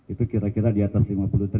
itu kira kira di atas lima puluh ribu dolar